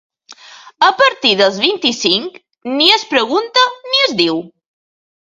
A partir dels vint-i-cinc, ni es pregunta ni es diu.